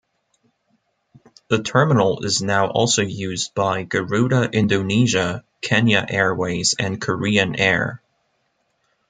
The terminal is now also used by Garuda Indonesia, Kenya Airways, and Korean Air.